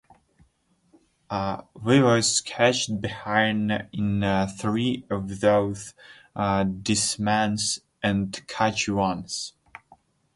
He was caught behind in three of those dismissals and caught once.